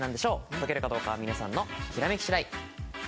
解けるかどうかは皆さんのひらめきしだいです。